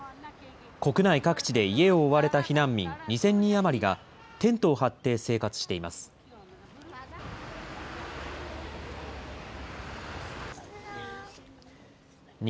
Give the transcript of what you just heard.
国内各地で家を追われた避難民２０００人余りが、テントを張って生活しています。